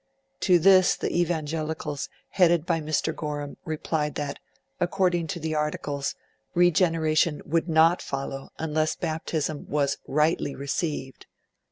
To this the Evangelicals, headed by Mr. Gorham, replied that, according to the Articles, regeneration would not follow unless baptism was RIGHTLY received.